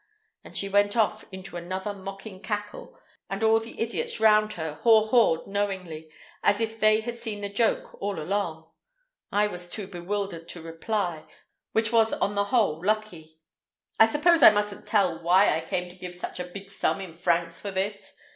And she went off into another mocking cackle, and all the idiots round her haw hawed knowingly, as if they had seen the joke all along. I was too bewildered to reply, which was on the whole lucky. "I suppose I mustn't tell why I came to give quite a big sum in francs for this?"